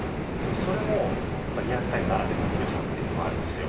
それもリアルタイムならではの良さというのはあるんですよ。